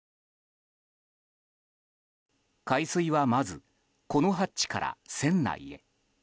海水はまずこのハッチから船内へ。